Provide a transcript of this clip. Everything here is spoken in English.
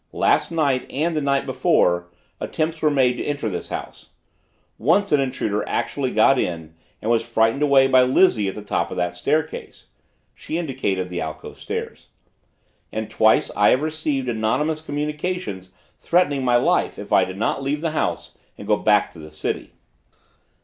Last night and the night before, attempts were made to enter this house. Once an intruder actually got in and was frightened away by Lizzie at the top of that staircase." She indicated the alcove stairs. "And twice I have received anonymous communications threatening my life if I did not leave the house and go back to the city."